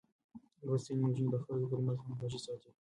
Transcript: لوستې نجونې د خلکو ترمنځ همغږي ساتي.